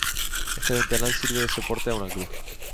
Este ventanal sirve de soporte a una cruz.